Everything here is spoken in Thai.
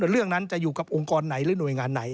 เรื่องนั้นจะอยู่กับองค์กรไหนหรือหน่วยงานไหน